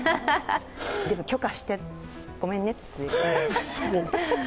でも、許可してごめんねって。